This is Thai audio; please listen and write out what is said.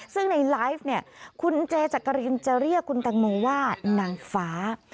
ซึ่งในไลฟ์เนี่ยคุณเจจักรินจะเรียกคุณตังโมว่านางฟ้า